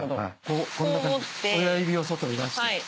親指を外に出して。